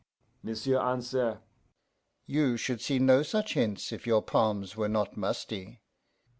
M'sieu' answer, 'You should see no such hints, if your palms were not musty.